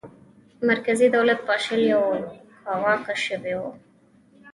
مرکزي دولت پاشلی او کاواکه شوی و.